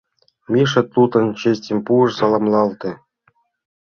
Миша тудлан честьым пуыш, саламлалте.